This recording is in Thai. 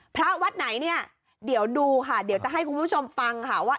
พระวัดไหนเนี่ยเดี๋ยวดูค่ะเดี๋ยวจะให้คุณผู้ชมฟังค่ะว่า